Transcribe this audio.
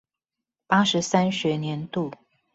八十三學年度